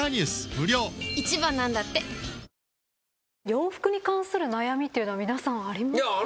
洋服に関する悩みっていうのは皆さんありますよね？